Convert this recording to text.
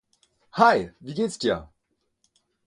Hi, wie gehts dir?